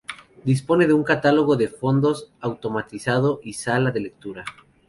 Dispone de un catálogo de fondos automatizado y sala de lectura.